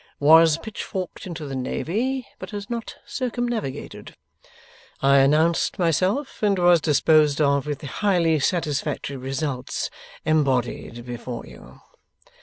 Was pitch forked into the Navy, but has not circumnavigated. I announced myself and was disposed of with the highly satisfactory results embodied before you.